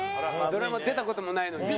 ドラマ出た事もないのに？